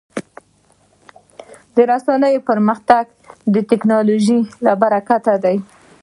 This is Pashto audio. د رسنیو پرمختګ د ټکنالوژۍ له برکته دی.